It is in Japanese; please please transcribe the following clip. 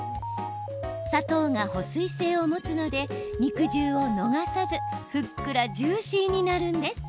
砂糖が保水性を持つので肉汁を逃さずふっくらジューシーになるんです。